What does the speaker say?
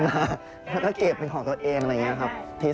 ด้วยความที่อยากจะมีเงินอะไรอย่างเงี้ย